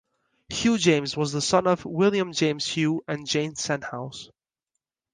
Hugh James was the son of William James Hugh and Jane Senhouse.